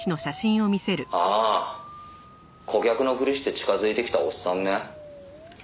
「ああ顧客のふりして近づいてきたおっさんね」